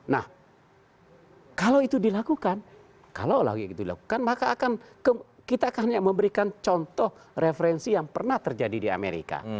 nah kalau itu dilakukan kalau lagi itu dilakukan maka akan kita hanya memberikan contoh referensi yang pernah terjadi di amerika